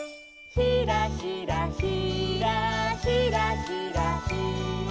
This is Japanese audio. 「ひらひらひらひらひらひら」